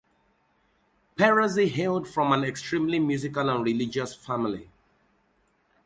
Perosi hailed from an extremely musical and religious family.